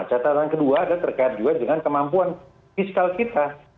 catatan kedua adalah terkait juga dengan kemampuan fiskal kita